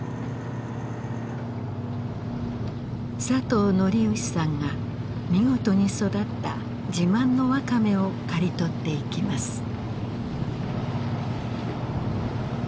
佐藤徳義さんが見事に育った自慢のワカメを刈り取っていきます。